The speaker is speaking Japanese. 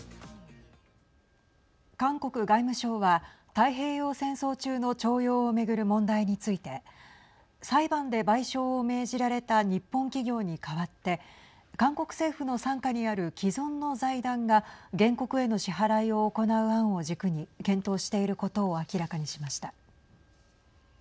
韓国外務省は太平洋戦争中の徴用を巡る問題について裁判で賠償を命じられた日本企業に代わって韓国政府の傘下にある既存の財団が原告への支払いを行う案を軸に検討していることを明らかにしました。